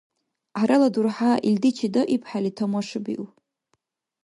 ГӀярала дурхӀя, илди чедаибхӀели, тамашабиуб: